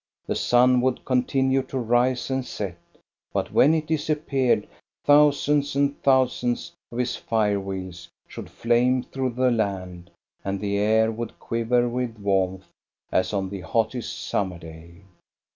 The sun would continue to rise and set, but when it disappeared, thousands and thousands of his fire wheels should flame through the land, and the air would quiver with warmth, as on the hottest summer day.